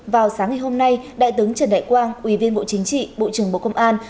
vào sáng ngày hôm nay đại tướng trần đại quang ủy viên bộ chính trị bộ trưởng bộ công an